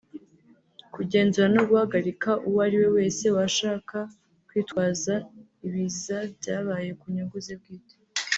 kugenzura no guhagarika uwo ari we wese washaka kwitwaza ibiza byabaye ku nyungu ze bwite